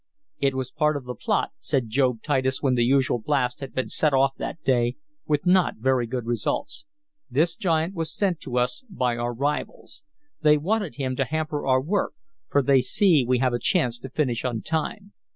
"It was part of the plot," said Job Titus when the usual blast had been set off that day, with not very good results. "This giant was sent to us by our rivals. They wanted him to hamper our work, for they see we have a chance to finish on time.